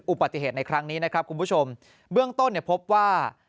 อุบัติเหตุในครั้งนี้นะครับคุณผู้ชมเบื้องต้นเนี่ยพบว่า